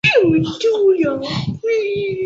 格林斯堡是路易斯安那州最古老的城镇之一。